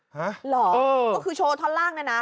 หรอก็คือโชว์ท่อนล่างนะนะ